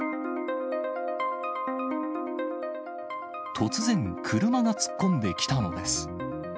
突然、車が突っ込んできたのです。